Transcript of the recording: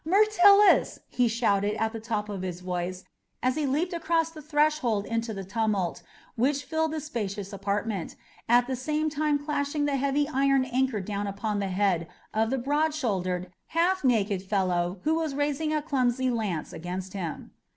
"Myrtilus!" he shouted at the top of his voice as he leaped across the threshold into the tumult which filled the spacious apartment, at the same time clashing the heavy iron anchor down upon the head of the broad shouldered, half naked fellow who was raising a clumsy lance against him.